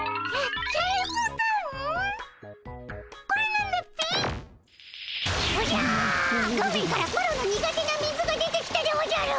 画面からマロの苦手な水が出てきたでおじゃる！